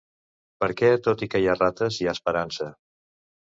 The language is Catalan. Perquè tot i que hi ha rates hi ha esperança.